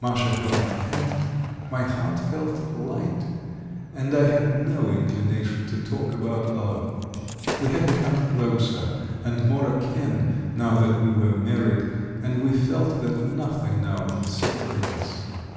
Masha held my hand, my heart felt light, and I had no inclination to talk about love; we had become closer and more akin now that we were married, and we felt that nothing now could separate us.